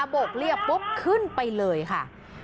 โกกเรียกปุ๊บขึ้นไปเลยค่ะ